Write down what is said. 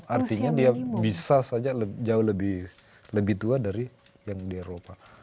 artinya dia bisa saja jauh lebih tua dari yang di eropa